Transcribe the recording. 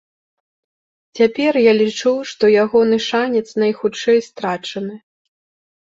Цяпер я лічу, што ягоны шанец найхутчэй страчаны.